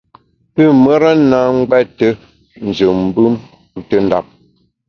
Pü mùra na ngbète njù mbùm ntùndap.